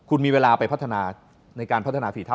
คุณมีเวลาไปพัฒนาในการพัฒนาฝีเท้า